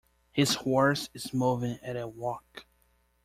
His horse is moving at a walk.